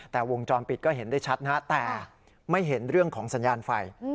แต่วงจรปิดก็เห็นได้ชัดนะฮะแต่ไม่เห็นเรื่องของสัญญาณไฟ